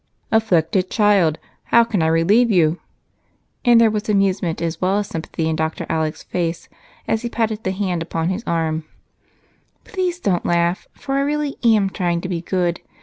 "Afflicted child! How can I relieve you?" And there was amusement as well as sympathy in Dr. Alec's face as he patted the hand upon his arm. "Please don't laugh, for I really am trying to be good.